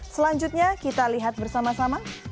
selanjutnya kita lihat bersama sama